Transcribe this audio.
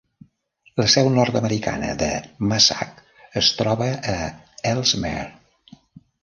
La seu nord-americana de Mazak es troba a Elsmere.